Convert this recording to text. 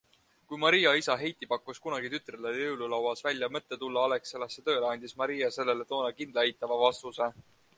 Kui Maria isa Heiti pakkus kunagi tütrele jõululauas välja mõtte tulla Alexelasse tööle, andis Maria sellele toona kindla eitava vastuse.